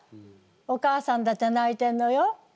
お母さんだって泣いてんのよ。